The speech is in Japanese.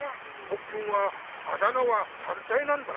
ポッくんはあだ名ははんたいなんだね。